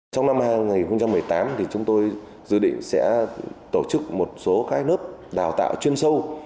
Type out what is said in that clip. trong năm hai nghìn một mươi tám chúng tôi dự định sẽ tổ chức một số các lớp đào tạo chuyên sâu